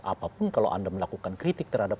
apapun kalau anda melakukan kritik terhadap